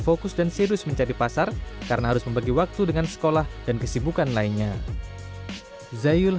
fokus dan serius mencari pasar karena harus membagi waktu dengan sekolah dan kesibukan lainnya zayul